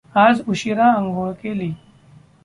आज उशीरा अंघोळ केली.